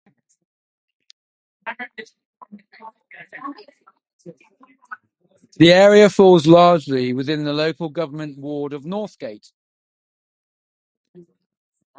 The area falls largely within the local government ward of Northgate.